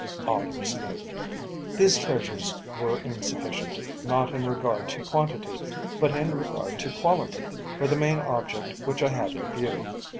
Author's Note.) These treasures were insufficient, not in regard to quantity, but in regard to quality, for the main object which I had in view.